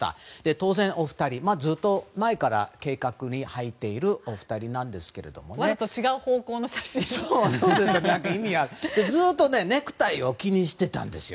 当然、お二人ずっと前から計画に入っているお二人なんですけれどもずっとネクタイを気にしていたんですよ。